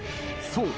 そう。